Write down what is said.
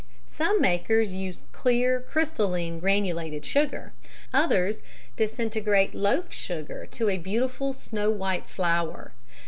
_ Some makers use clear crystalline granulated sugar, others disintegrate loaf sugar to a beautiful snow white flour.